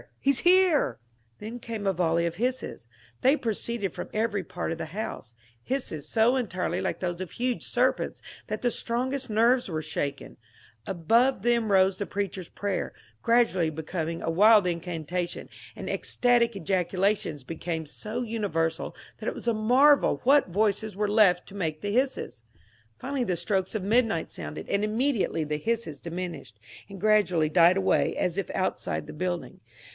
he 's here I " Then came a volley of hisses ; they proceeded from every part of the house, — hisses so entirely like those of huge serpents that the strongest nerves were shaken ; above them rose the preacher's prayer, gradually becoming a wild incantation, and ecstatic ejacula tions became so universal that it was a marvel ^hat voices THE TEAR OF JUBILEE 873 were left to make the hisses. FinaUy the strokes of midnight sounded, and immediately the hisses diminished and grad ually died away as if outside the building.